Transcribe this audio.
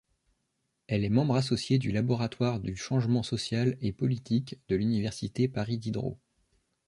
Elle est membre associée du Laboratoire du changement social et politique de l'université Paris-Diderot.